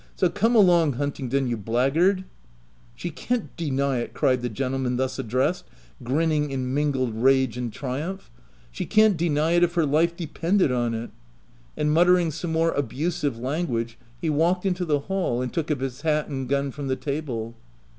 So come along Huntingdon, you blackguard." " She can't deny it !" cried the gentleman thus addressed, grinning in mingled rage and OF WILDFELL HALL. 49 triumph. " She can't deny it if her life de pended on it £' and muttering some more abu sive language, he walked into the hall, and took up his hat and gun from the table.